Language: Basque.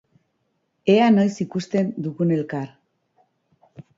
Ea noiz ikusten dugun elkar.